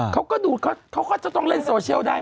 เขาก็ดูเขาก็จะต้องเล่นโซเชียลได้